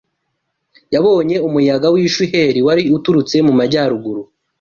yabonye umuyaga w’ishuheri wari utururtse mu majyaruguru